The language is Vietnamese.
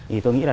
thì tôi nghĩ là